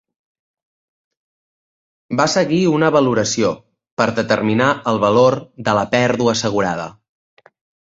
Va seguir una valoració, per determinar el valor de la pèrdua assegurada.